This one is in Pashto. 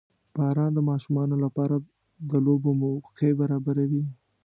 • باران د ماشومانو لپاره د لوبو موقع برابروي.